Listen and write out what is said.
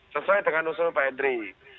sesuai dengan usul pak henry